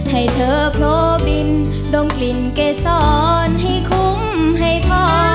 ให้เธอโผล่บินดมกลิ่นเกษรให้คุ้มให้พอ